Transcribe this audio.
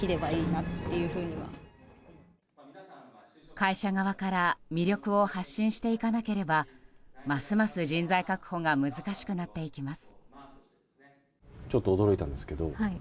会社側から魅力を発信していかなければますます人材確保が難しくなっていきます。